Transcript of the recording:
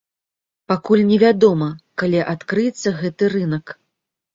Пакуль невядома, калі адкрыецца гэты рынак.